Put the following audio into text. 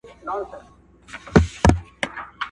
غيرت، درنښت او وفادارۍ